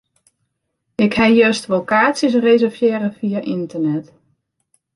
Ik ha juster al kaartsjes reservearre fia ynternet.